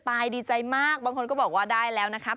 ดีใจมากบางคนก็บอกว่าได้แล้วนะครับ